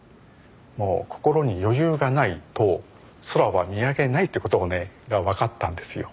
もう心に余裕がないと空は見上げないということをねが分かったんですよ。